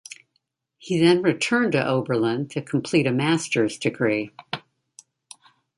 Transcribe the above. He then returned to Oberlin to complete a master's degree.